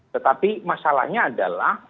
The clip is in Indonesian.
tetapi masalahnya adalah